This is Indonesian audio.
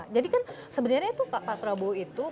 jadi kan sebenarnya pak prabowo itu